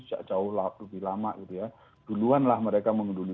sejak jauh lebih lama gitu ya duluan lah mereka mengunduli